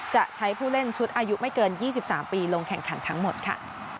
จะใช้ผู้เล่นชุดอายุไม่เกิน๒๓ปีลงแข่งขันทั้งหมดค่ะ